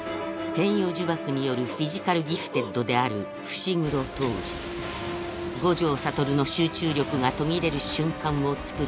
天与呪縛によるフィジカルギフテッドである伏黒甚爾五条悟の集中力が途切れる瞬間を作り